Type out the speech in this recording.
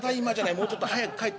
もうちょっと早く帰ってきてくれ。